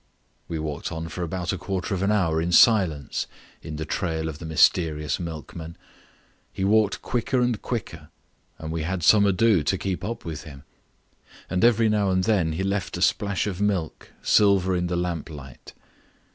We walked on for about a quarter of an hour in silence in the trail of the mysterious milkman. He walked quicker and quicker, and we had some ado to keep up with him; and every now and then he left a splash of milk, silver in the lamplight.